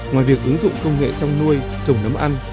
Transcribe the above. ngoài việc ứng dụng công nghệ trong nuôi trồng nấm ăn